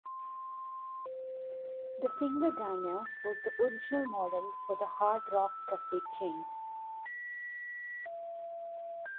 The Finger Diner was the original model for the Hard Rock Cafe chain.